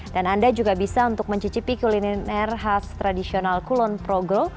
dan anda juga bisa untuk mencicipi kuliner khas tradisional kulon progro